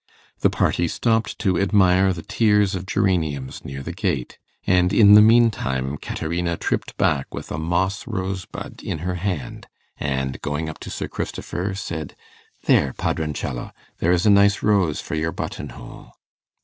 The party stopped to admire the tiers of geraniums near the gate; and in the mean time Caterina tripped back with a moss rose bud in her hand, and, going up to Sir Christopher, said 'There, Padroncello there is a nice rose for your button hole.